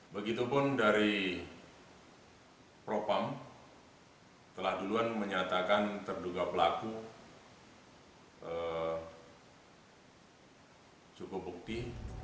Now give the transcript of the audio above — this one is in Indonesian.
begitupun dari propam telah duluan menyatakan terduga pelaku cukup bukti